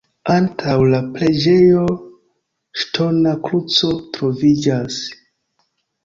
Antaŭ la preĝejo ŝtona kruco troviĝas.